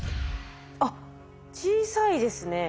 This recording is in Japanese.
あっ小さいですね。